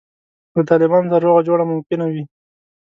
له طالبانو سره روغه جوړه ممکنه وي.